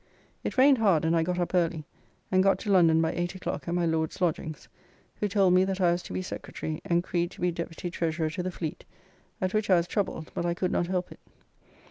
It rained hard and I got up early, and got to London by 8 o'clock at my Lord's lodgings, who told me that I was to be secretary, and Creed to be deputy treasurer to the Fleet, at which I was troubled, but I could not help it.